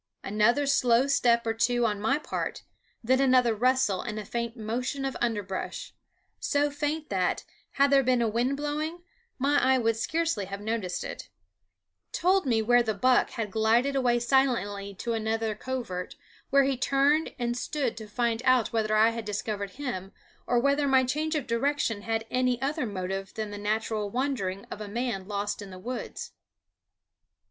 Another slow step or two on my part, then another rustle and a faint motion of underbrush so faint that, had there been a wind blowing, my eye would scarcely have noticed it told me where the buck had glided away silently to another covert, where he turned and stood to find out whether I had discovered him, or whether my change of direction had any other motive than the natural wandering of a man lost in the woods.